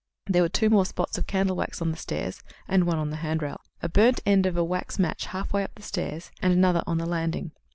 There were two more spots of candle wax on the stairs, and one on the handrail; a burnt end of a wax match halfway up the stairs, and another on the landing.